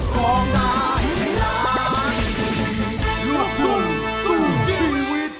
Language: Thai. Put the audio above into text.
ขอบคุณครับทุกคน